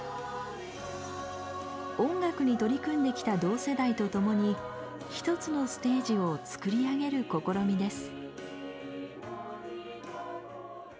音楽に取り組んできた同世代と共に一つのステージを作り上げる試みです。